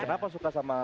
kenapa suka sama